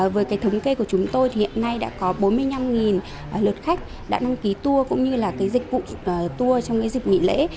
với cái thống kê của chúng tôi thì hiện nay đã có bốn mươi năm lượt khách đã đăng ký tour cũng như là dịch vụ tour trong cái dịp nghỉ lễ